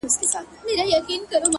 فکر د انسان داخلي نړۍ جوړوي.